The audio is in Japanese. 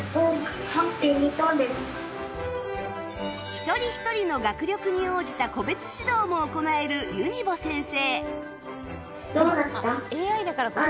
一人一人の学力に応じた個別指導も行えるユニボ先生